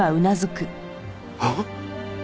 あっ！？